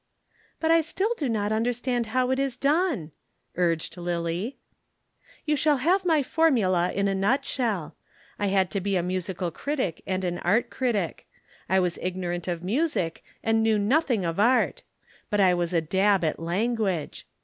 "But still I do not understand how it is done," urged Lillie. "You shall have my formula in a nutshell. I had to be a musical critic and an art critic. I was ignorant of music and knew nothing of art. But I was a dab at language.